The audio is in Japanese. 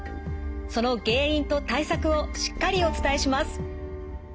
その原因と対策をしっかりお伝えします。